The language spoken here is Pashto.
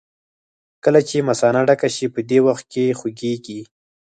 کله چې مثانه ډکه شي په دې وخت کې خوږېږي.